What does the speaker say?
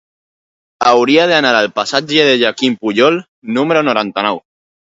Hauria d'anar al passatge de Joaquim Pujol número noranta-nou.